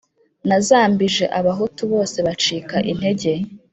Nazambije abahutu bose bacika intege